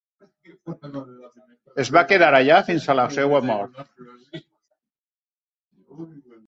Es va quedar allà fins a la seva mort.